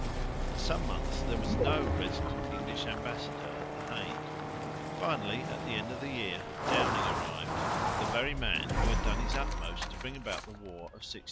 For some months there was no resident English ambassador at the Hague. Finally, at the end of the year, Downing arrived, the very man who had done his utmost to bring about the war of 1665.